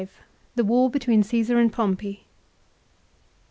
THE WAR BETWEEN CAESAR AND POMPEY.